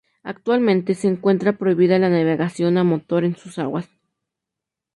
Actualmente se encuentra prohibida la navegación a motor en sus aguas.